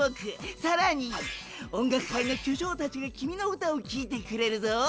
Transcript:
さらに音楽界のきょしょうたちが君の歌をきいてくれるぞ！